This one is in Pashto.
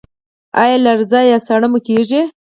ایا لرزه یا ساړه مو کیږي؟